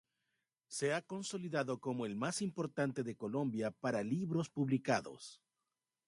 Se ha consolidado como el más importante de Colombia para libros publicados.